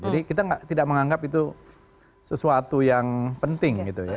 kita tidak menganggap itu sesuatu yang penting gitu ya